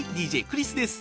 ＤＪクリスです。